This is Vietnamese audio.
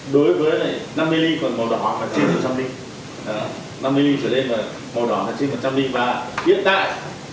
đối với năm mươi li còn màu đỏ màu trắng trăm linh